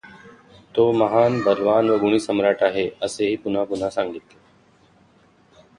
तो महान बलवान व गुणी सम्राट आहे असेहि पुन्हापुन्हा सांगितले.